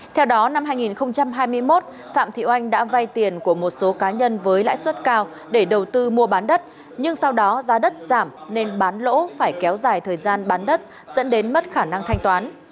theo đó năm hai nghìn hai mươi một phạm thị oanh đã vay tiền của một số cá nhân với lãi suất cao để đầu tư mua bán đất nhưng sau đó giá đất giảm nên bán lỗ phải kéo dài thời gian bán đất dẫn đến mất khả năng thanh toán